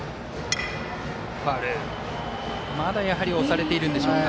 まだ、やはり押されているんでしょうか。